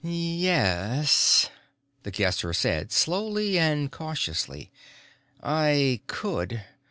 "Ye e es," The Guesser said, slowly and cautiously. "I could.